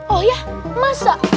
oh ya masa